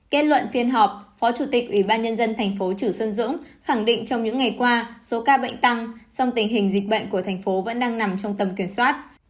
kết luận phiên họp phó chủ tịch ủy ban nhân dân thành phố chử xuân dũng khẳng định trong những ngày qua số ca bệnh tăng song tình hình dịch bệnh của thành phố vẫn đang nằm trong tầm kiểm soát